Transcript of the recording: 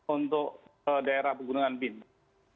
untuk daerah pegunungan bintang